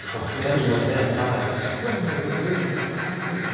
湿度も夜になると高まるんです。